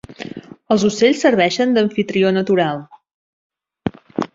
Els ocells serveixen d'amfitrió natural.